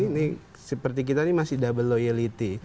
ini seperti kita ini masih double loyalty